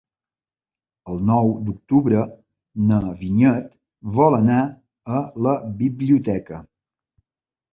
El nou d'octubre na Vinyet vol anar a la biblioteca.